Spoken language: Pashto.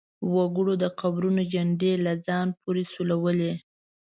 وګړو د قبرونو چنډې له ځان پورې سولولې.